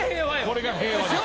これが平和です。